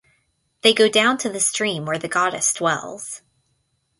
They go down to the stream where the goddess dwells.